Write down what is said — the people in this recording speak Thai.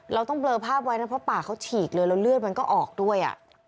เราต้องเลอภาพไว้นะเพราะปากเขาฉีกเลยแล้วเลือดมันก็ออกด้วย